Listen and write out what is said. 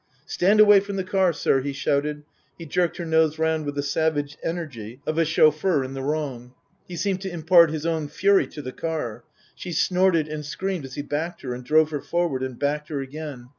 " Stand away from the car, sir/' he shouted. He jerked her nose round with the savage energy of a chauffeur in the wrong ; he seemed to impart his own fury to the car. She snorted and screamed as he backed her and drove her forward and backed her again.